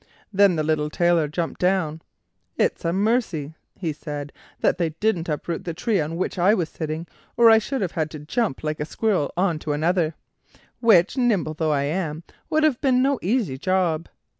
Then the little Tailor jumped down. "It's a mercy," he said, "that they didn't root up the tree on which I was sitting, or I should have had to jump like a squirrel on to another, which, nimble though I am, would have been no easy job."